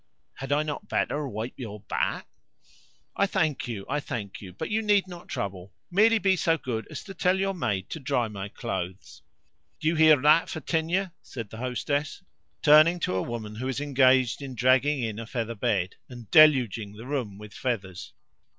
Had I not better wipe your back?" "I thank you, I thank you, but you need not trouble. Merely be so good as to tell your maid to dry my clothes." "Do you hear that, Fetinia?" said the hostess, turning to a woman who was engaged in dragging in a feather bed and deluging the room with feathers.